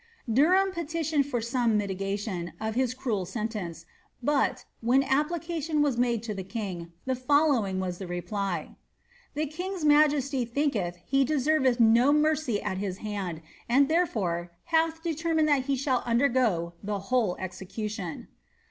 Derham petitioned for some mitigation, of his cruel sentence, but, when application was made to the king, the following was the reply, ^The king's majesty thinketh he deserveth no mercy at his hand, and therefore hath determined that he shall undergo the whole execution."'